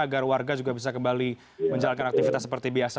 agar warga juga bisa kembali menjalankan aktivitas seperti biasa